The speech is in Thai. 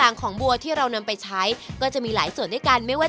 ของบัวที่เรานำไปใช้ก็จะมีหลายส่วนด้วยกันไม่ว่า